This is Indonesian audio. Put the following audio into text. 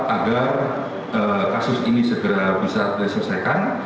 agar kasus ini segera bisa terselesaikan